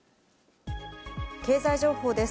経済情報です。